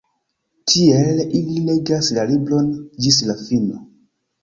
Tiel, ili legas la libron ĝis la fino.